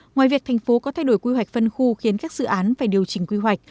ngoài việc thành phố có thay đổi quy hoạch phân khu khiến các dự án phải điều chỉnh quy hoạch